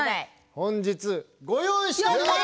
本日ごよういしております！